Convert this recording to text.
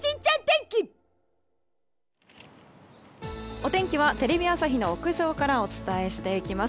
お天気はテレビ朝日屋上からお伝えしていきます。